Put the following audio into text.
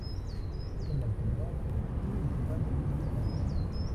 En la actualidad sigue ocupando el mismo cargo.